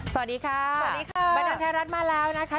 สวัสดีค่ะสวัสดีค่ะมาแล้วนะคะ